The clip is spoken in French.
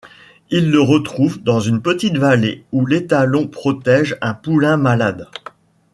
Ils le retrouvent dans une petite vallée où l'étalon protège un poulain malade.